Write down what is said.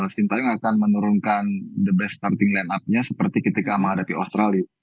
sintayong akan menurunkan the best starting line up nya seperti ketika menghadapi australia